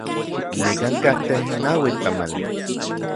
Nikan katej naui tamali.